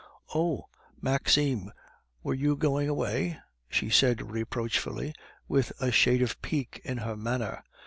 "Oh! Maxime, were you going away?" she said reproachfully, with a shade of pique in her manner.